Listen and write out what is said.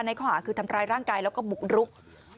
ข้อหาคือทำร้ายร่างกายแล้วก็บุกรุก